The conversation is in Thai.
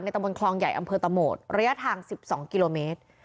ตำบลคลองใหญ่อำเภอตะโหมดระยะทาง๑๒กิโลเมตร